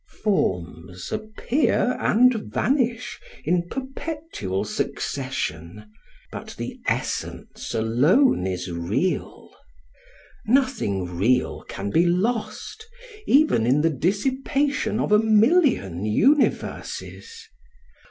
... Forms appear and vanish in perpetual succession; but the Essence alone is Real. Nothing real can be lost, even in the dissipation of a million uni verses.